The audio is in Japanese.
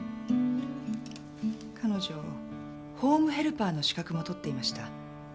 彼女ホームヘルパーの資格も取っていました。